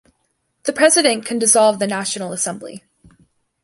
The President can dissolve the National Assembly.